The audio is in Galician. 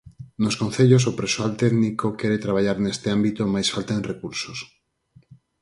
Nos concellos o persoal técnico quere traballar neste ámbito mais faltan recursos.